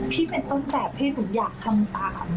พี่เป็นต้นแบบที่หนูอยากทำตาม